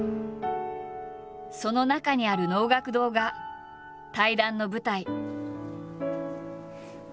その中にある能楽堂が対談の舞台。